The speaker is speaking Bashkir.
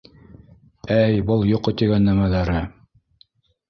Әй, был йоҡо тигән нәмәләре!